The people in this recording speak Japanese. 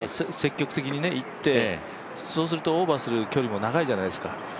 ファーストパット狙って、積極的に行ってそうするとオーバーする距離も長いじゃないですか。